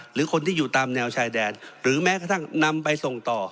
หรือคนที่อยู่ตามแนวชายแดนหรือแม้กระทั่งนำไปส่งต่อ